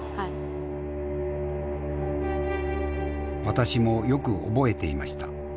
私もよく覚えていました。